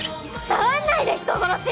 触んないで人殺し！